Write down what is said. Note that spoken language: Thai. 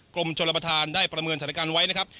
กรมชนประธานได้ประเมินสถานการณ์ไว้นะครับ